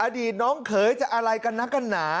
อดีตน้องเขยจะอะไรกันนักกันหนา